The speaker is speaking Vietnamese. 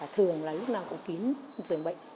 thường là lúc nào cũng kín dường bệnh